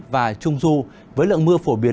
và trung du với lượng mưa phổ biến